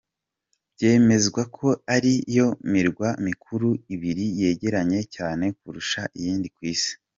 Byemezwa ko ari yo mirwa mikuru ibiri yegeranye cyane kurusha iyindi ku isi.